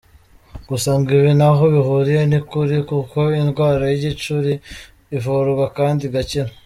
Gusa ngo ibi ntaho bihuriye n’ukuri kuko indwara y’igicuri ivurwa kandi igakira.